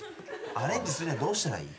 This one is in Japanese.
アレンジするにはどうしたらいい？